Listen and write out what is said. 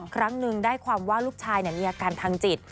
ครั้งหนึ่งได้ความว่าลูกชายมีอาการทางจิต